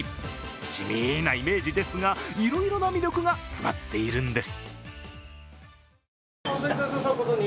地味なイメージですが、いろいろな魅力が詰まっているんです。